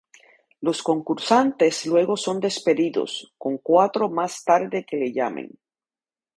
Los concursantes luego son despedidos, con cuatro más tarde que le llamen.